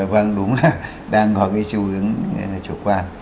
vâng đúng là đang có cái sự chủ quan